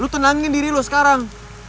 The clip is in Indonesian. lu tenangin diri lo sekarang